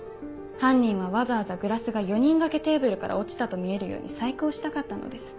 犯人はわざわざグラスが４人掛けテーブルから落ちたと見えるように細工をしたかったのです。